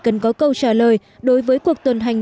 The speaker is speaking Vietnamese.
cần có câu trả lời đối với cuộc tuần hành